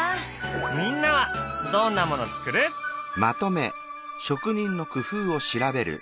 みんなはどんなもの作る？